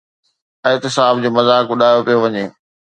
احتساب جو مذاق اڏايو پيو وڃي.